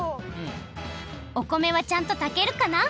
お米はちゃんとたけるかな？